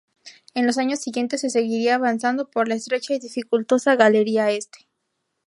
En los años siguientes se seguiría avanzando por la estrecha y dificultosa "Galería este".